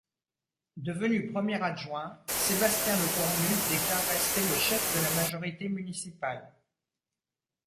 Devenu premier adjoint, Sébastien Lecornu déclare rester le chef de la majorité municipale.